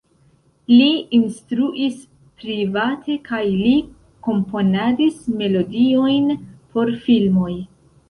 Li instruis private kaj li komponadis melodiojn por filmoj.